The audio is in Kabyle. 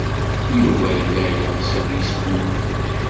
Yuba yella yeɣs ad yesgunfu.